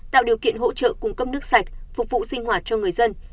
tạo điều kiện hỗ trợ cung cấp nước sạch phục vụ sinh hoạt cho người dân